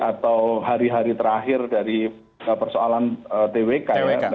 atau hari hari terakhir dari persoalan twk